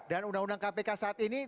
dan undang undang kpk saat ini